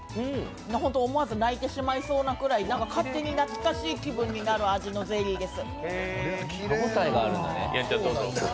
ホント、思わず泣いてしまいそうなぐらい勝手に懐かしい気分になる味のゼリーです。